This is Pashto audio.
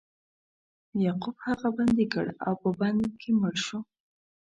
یعقوب هغه بندي کړ او په بند کې مړ شو.